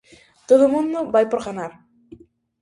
Todo o mundo vai por ganar.